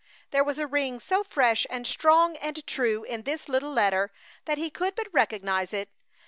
There was a ring so fresh and strong and true in this little letter, that he could but recognize it.